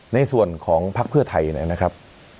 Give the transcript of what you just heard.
ในส่วนของภักดิ์เพื่อไทยนะครับ